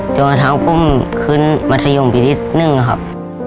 จนทั้งพุ่งขึ้นมัธยมปีที่๑ครับ